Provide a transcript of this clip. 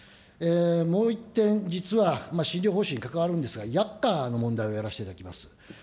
もう一点、実は診療報酬に関わるんですが、薬価の問題をやらせていただきます。